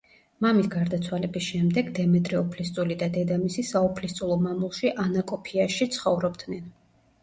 მამის გარდაცვალების შემდეგ დემეტრე უფლისწული და დედამისი საუფლისწულო მამულში ანაკოფიაში ცხოვრობდნენ.